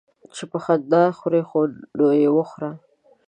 چي په خندا کې خورې ، نو يې خوره.